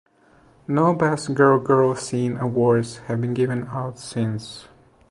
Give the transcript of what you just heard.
No "Best Girl-Girl Scene" awards have been given out since.